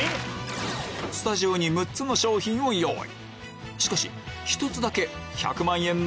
スタジオに６つの商品を用意